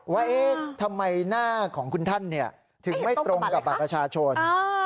ว่าทำไมหน้าของคุณท่านถึงไม่ตรงกับบัตรประชาชน